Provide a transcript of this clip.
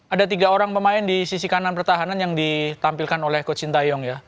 ada tiga orang pemain di sisi kanan pertahanan yang ditampilkan oleh coach sintayong ya